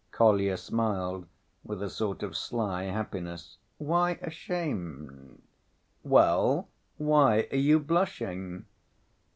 Kolya smiled with a sort of sly happiness. "Why ashamed?" "Well, why are you blushing?"